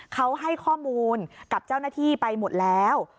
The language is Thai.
เขาให้ข้อมูลกับเจ้าหน้าที่ไปหมดแล้ว